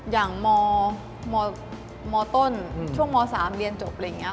อย่างมต้นช่วงมสามเรียนจบ